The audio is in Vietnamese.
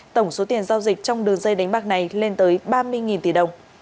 tổng số tiền giao dịch trong đường dây đánh bạc này lên tới ba mươi tỷ đồng